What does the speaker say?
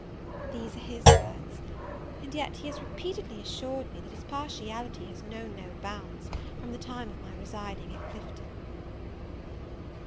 These were his words; and yet, he has repeatedly assured me, that his partiality has known no bounds from the time of my residing at Clifton.